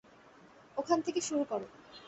ওখান থেকে শুরু করো।